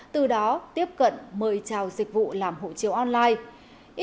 từ đó tiếp cận mời trào dịch vụ làm hộ chiếu online